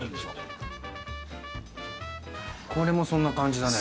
これもそんな感じだね。